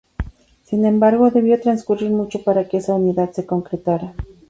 Sin embargo, debió transcurrir mucho para que esa unidad se concretara.